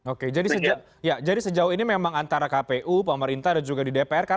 oke jadi sejauh ini memang antara kpu pemerintah dan juga di dpr